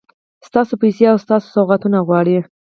ستاسو پیسې او ستاسو سوغاتونه غواړي.